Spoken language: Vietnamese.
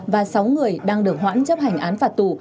và sáu người đang được hoãn chấp hành án phạt tù